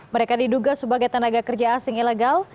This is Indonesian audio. mereka diduga sebagai tenaga kerja asing ilegal